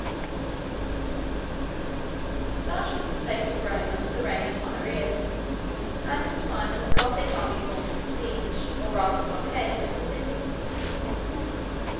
] Such was the state of Rome under the reign of Honorius; at the time when the Gothic army formed the siege, or rather the blockade, of the city.